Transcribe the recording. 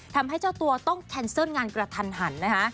ทำให้เจ้าตัวต้องแคนเซิลงานกระทันหันนะคะ